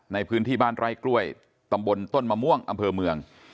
ในพื้นที่บ้านไร่กล้วยตำบลต้นมะม่วงอำเภอเมือง